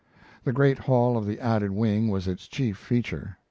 The great hall of the added wing was its chief feature.